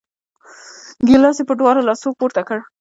ګیلاس یې په دواړو لاسو پورته کړ!